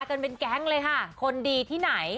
กันเป็นแก๊งเลยค่ะคนดีที่ไหน